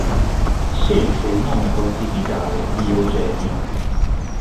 Scelse il nome pontificale di Eugenio.